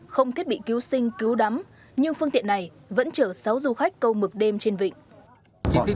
không thiết bị cứu sinh cứu đắm nhưng phương tiện này vẫn chở sáu du khách câu mực đêm trên vịnh